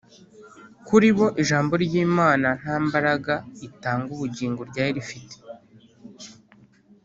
kuri bo, ijambo ry’imana nta mbaraga itanga ubugingo ryari rifite